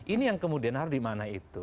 ini yang kemudian harus dimana itu